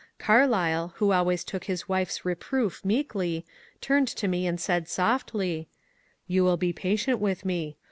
Carlyle, who always took his wife's reproof meekly, turned to me and said softly, *' Yon will be patient vidth me.